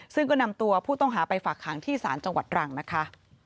ซึ่งก็นำตัวผู้ต้องหาไปฝากหางที่ศาลจังหวัดรังนะคะ